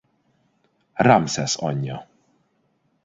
Ramszesz anyja.